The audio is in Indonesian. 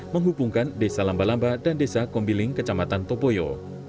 menghubungkan desa lamba lamba dan desa kombiling kecamatan topoyo